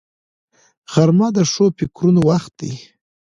غرمه د ښو فکرونو وخت دی